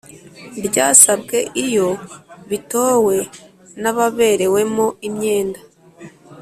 ryasabwe iyo bitowe n ababerewemo imyenda